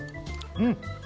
うん！